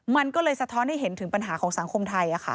มันก็เลยสะท้อนให้เห็นถึงปัญหาของสังคมไทย